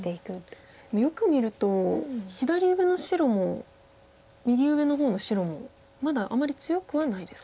よく見ると左上の白も右上の方の白もまだあまり強くはないですか。